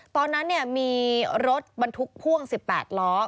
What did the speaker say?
ตอนนั้นมีรถบรรทุกพ่วง๑๘ล้อ